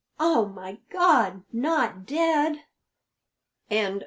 Oh, my God, not dead!"